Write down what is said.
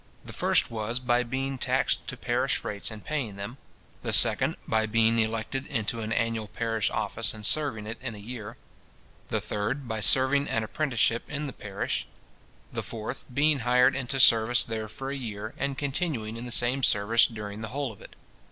The first was, by being taxed to parish rates and paying them; the second, by being elected into an annual parish office, and serving in it a year; the third, by serving an apprenticeship in the parish; the fourth, by being hired into service there for a year, and continuing in the same service during the whole of it.